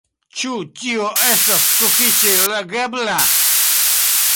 Ĉu tio estas sufiĉe legebla?